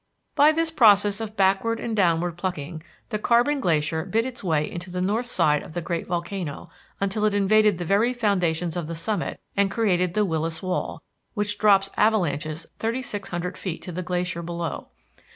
By this process of backward and downward plucking, the Carbon Glacier bit its way into the north side of the great volcano until it invaded the very foundations of the summit and created the Willis Wall which drops avalanches thirty six hundred feet to the glacier below.